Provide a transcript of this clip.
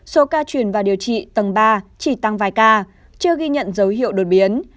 số ca chuyển vào điều trị tầng ba chỉ tăng vài ca chưa ghi nhận dấu hiệu đột biến